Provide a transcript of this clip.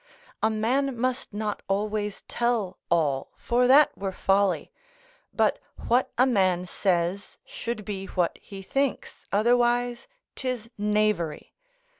A man must not always tell all, for that were folly: but what a man says should be what he thinks, otherwise 'tis knavery.